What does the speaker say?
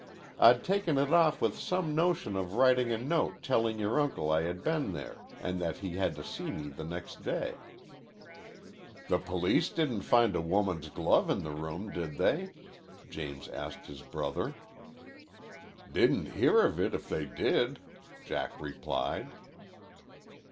I'd taken it off with some notion of writing a note telling your uncle I had been there and that he had to see me next day." "The police didn't find a woman's glove in the room, did they?" James asked his brother. "Didn't hear of it if they did," Jack replied.